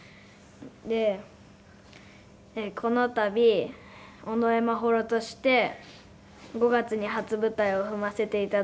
この度尾上眞秀として５月に初舞台を踏ませていただく事になりました。